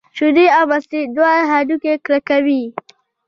شیدې او مستې دواړه هډوکي کلک کوي.